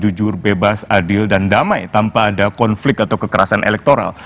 jujur bebas adil dan damai tanpa ada konflik atau kekerasan elektoral